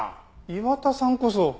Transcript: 岩田さんこそ。